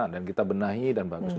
dan kita benahi dan bagus